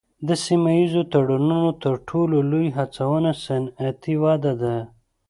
د سیمه ایزو تړونونو تر ټولو لوی هڅونه صنعتي وده ده